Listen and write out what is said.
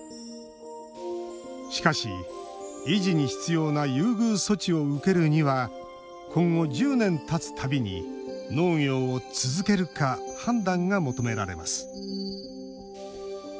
しかし、維持に必要な優遇措置を受けるには今後１０年たつたびに農業を続けるか判断が求められます。